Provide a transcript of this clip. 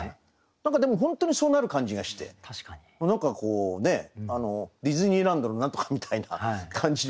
何かでも本当にそうなる感じがして何かこうねディズニーランドの何とかみたいな感じの見えたんで。